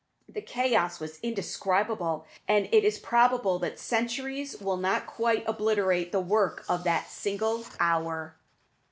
The chaos was indescribable, and it is probable that centuries will not quite obliterate the work of that single hour.